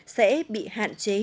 sẽ bị hạn chế